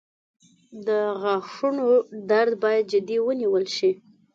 • د غاښونو درد باید جدي ونیول شي.